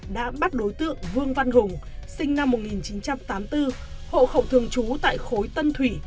đã bắt đối tượng vương văn hùng sinh năm một nghìn chín trăm tám mươi bốn hộ khẩu thường trú tại khối tân thủy